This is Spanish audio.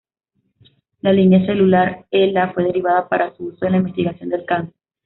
La línea celular HeLa fue derivada para su uso en la investigación del cáncer.